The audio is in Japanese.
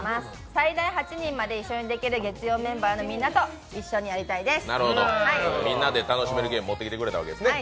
最大８人まで一緒にできるので月曜メンバーと一緒にやりたいです。